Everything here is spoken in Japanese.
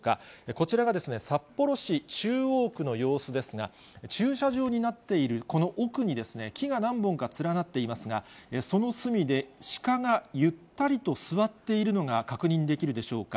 こちらがですね、札幌市中央区の様子ですが、駐車場になっているこの奥に、木が何本か連なっていますが、その隅で、シカがゆったりと座っているのが確認できるでしょうか。